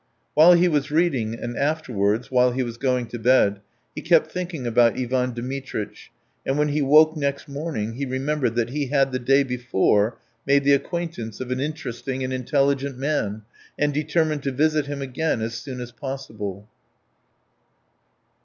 While he was reading, and afterwards, while he was going to bed, he kept thinking about Ivan Dmitritch, and when he woke next morning he remembered that he had the day before made the acquaintance of an intelligent and interesting man, and determined to visit him again as soon as possible.